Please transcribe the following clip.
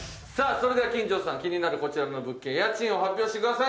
それでは金城さん気になるこちらの物件家賃を発表してください